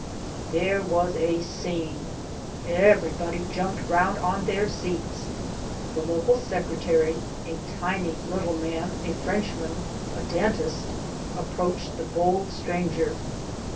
There was a scene. Everybody jumped round on their seats. The local Secretary a tiny little man, a Frenchman, a dentist approached the bold stranger.